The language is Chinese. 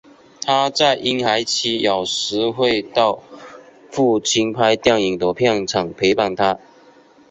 她在婴孩期有时会到父亲拍电影的片场陪伴他。